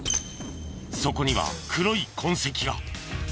そこには黒い痕跡が。